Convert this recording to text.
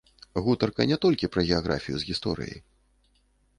Гутарка не толькі пра геаграфію з гісторыяй.